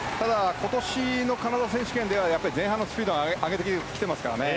今年のカナダ選手権では前半のスピードを上げてきていますからね。